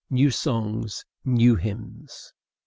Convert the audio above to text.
New songs, new hymns!